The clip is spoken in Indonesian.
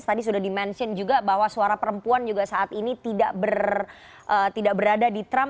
tadi sudah di mention juga bahwa suara perempuan juga saat ini tidak berada di trump